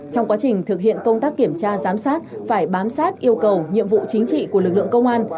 trong quá trình thực hiện công tác kiểm tra giám sát phải bám sát yêu cầu nhiệm vụ chính trị của lực lượng công an